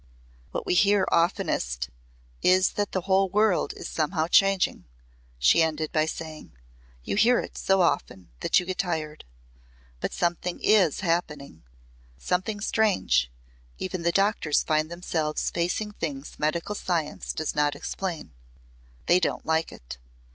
"What we hear oftenest is that the whole world is somehow changing," she ended by saying. "You hear it so often that you get tired. But something is happening something strange Even the doctors find themselves facing things medical science does not explain. They don't like it.